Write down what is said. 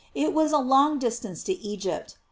It was a long distance to Egypt.